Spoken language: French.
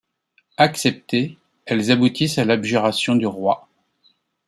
Acceptées, elles aboutissent à l’abjuration du roi.